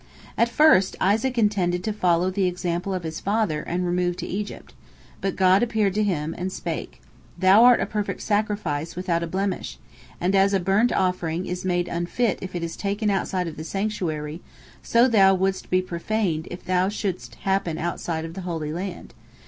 At first Isaac intended to follow the example of his father and remove to Egypt, but God appeared unto him, and spake: "Thou art a perfect sacrifice, without a blemish, and as a burnt offering is made unfit if it is taken outside of the sanctuary, so thou wouldst be profaned if thou shouldst happen outside of the Holy Land.